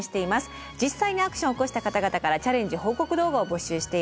実際にアクションを起こした方々からチャレンジ報告動画を募集しています。